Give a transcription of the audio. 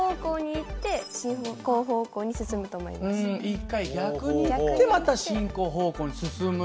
１回逆に行ってまた進行方向に進む。